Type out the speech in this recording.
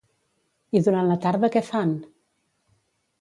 I durant la tarda què fan?